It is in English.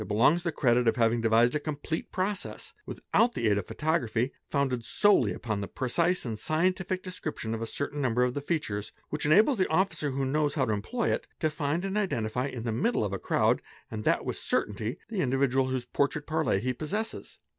t belongs the credit of having devised a complete process, without the aid of photography, founded solely upon a precise and scientific description of a certain number of the features, which enables the officer who knows : how to employ it, to find and identify in the middle of a crowd, and that with certainty, the individual whose " Portrait parlé'' he possesses.